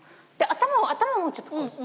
頭をもうちょっとこう。